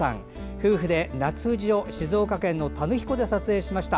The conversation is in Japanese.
夫婦で夏富士を静岡県の田貫湖で撮影しました。